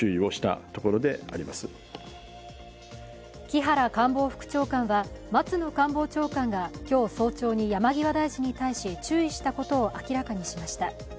木原官房副長官は松野官房長官が今日早朝に山際大臣に対して注意したことを明らかにしました。